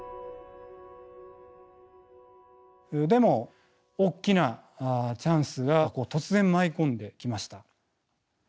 でも大きなチャンスが突然舞い込んできました。